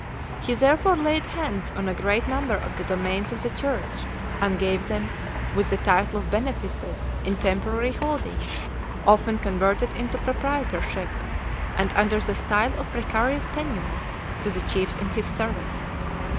He therefore laid hands on a great number of the domains of the Church, and gave them, with the title of benefices, in temporary holding, often converted into proprietorship, and under the style of precarious tenure, to the chiefs in his service.